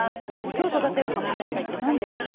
今日育てる葉物野菜って何ですか？